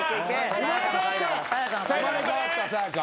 生まれ変わったさや香。